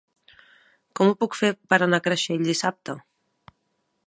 Com ho puc fer per anar a Creixell dissabte?